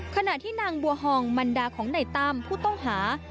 ขณะที่นางบัวฮองมันดาของในตั้มผู้ต้องหา